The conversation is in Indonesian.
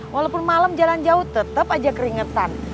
walaupun malam jalan jauh tetap aja keringetan